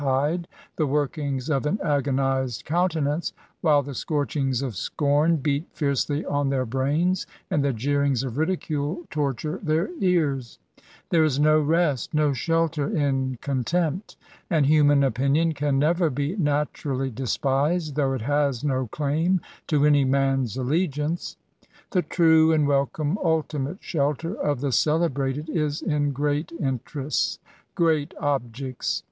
£01 to'hide the workings of an agonised countenance^ while the scorchings of scorn beat fiercely on their brains^ and the jeerings of ridicule torture their ears* There is no rest^ no shelter^ in contempt : and human opinion can never be naturally despised^ though it has no claim to any man's allegiance. The true and welcome ultimate shelter of the celebrated is in great interests— great objects.